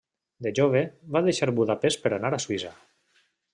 De jove, va deixar Budapest per anar a Suïssa.